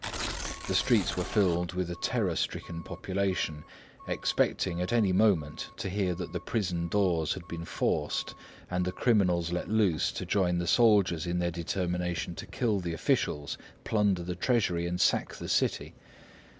The streets were filled with a terror stricken population, expecting at any moment to hear that the prison doors had been forced, and the criminals let loose to join the soldiers in their determination to kill the officials, plunder the treasury, and sack the city.